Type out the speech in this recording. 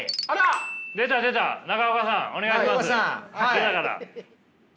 出たから。